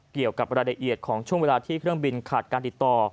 เกี่ยวกับรายละเอียดของช่วงเวลาที่เครื่องบินขาดการติดต่อ